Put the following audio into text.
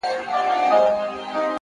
عاجزي د لویو انسانانو عادت دی!